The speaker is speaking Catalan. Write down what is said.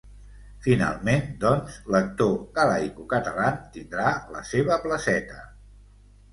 Finalment, doncs, l’actor ‘galaico-catalán’ tindrà la seva placeta.